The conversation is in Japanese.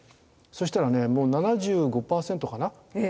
そしたらねもう７５％かな。